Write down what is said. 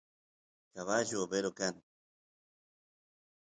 cabullu overo kan